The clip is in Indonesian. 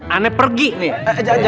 aneh pergi nih